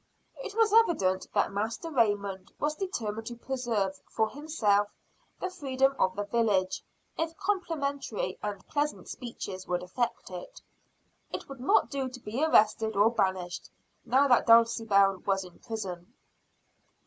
It was evident that Master Raymond was determined to preserve for himself the freedom of the village, if complimentary and pleasant speeches would effect it. It would not do to be arrested or banished, now that Dulcibel was in prison.